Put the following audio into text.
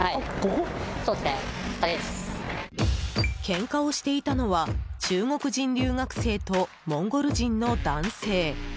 けんかをしていたのは中国人留学生とモンゴル人の男性。